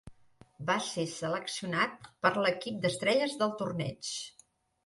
Va ser seleccionat per a l'equip d'estrelles del torneig.